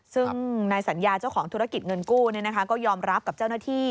ซึ่งนายสัญญาเจ้าของธุรกิจเงินกู้ก็ยอมรับกับเจ้าหน้าที่